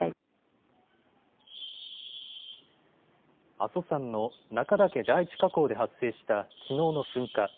阿蘇山の中岳第一火口で発生したきのうの噴火。